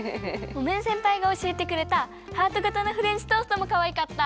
モメンせんぱいがおしえてくれたハートがたのフレンチトーストもかわいかった！